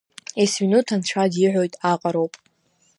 Есминуҭ анцәа диҳәоит аҟароуп.